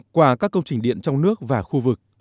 qua các công trình điện trong nước và khu vực